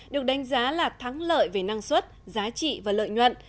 được đánh giá là thắng lợi về năng suất giá trị và lợi nhuận